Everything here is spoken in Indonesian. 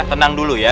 tenang dulu ya